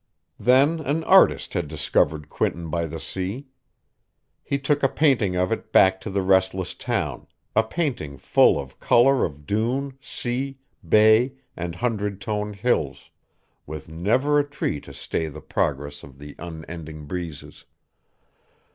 Then an artist had discovered Quinton by the Sea. He took a painting of it back to the restless town, a painting full of color of dune, sea, bay, and hundred toned Hills, with never a tree to stay the progress of the unending breezes.